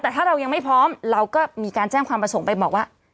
แต่ถ้าเรายังไม่พร้อมเราก็มีการแจ้งความประสงค์ไปบอกว่า